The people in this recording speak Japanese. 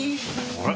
あれ？